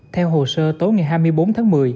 theo hồ sơ tối ngày hai mươi bốn tháng một mươi